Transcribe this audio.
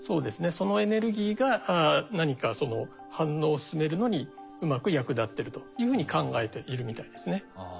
そのエネルギーが何か反応を進めるのにうまく役立ってるというふうに考えているみたいですね。